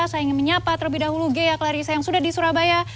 saya ingin menyapa terlebih dahulu ghea klarissa yang sudah di surabaya